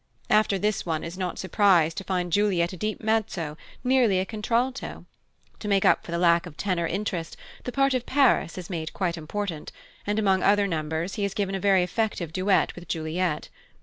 After this one is not so surprised to find Juliet a deep mezzo, nearly a contralto. To make up for the lack of tenor interest, the part of Paris is made quite important, and among other numbers he is given a very effective duet with Juliet.